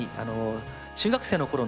中学生のころ